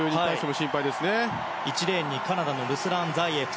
１レーンにカナダのルスラン・ザイエフ。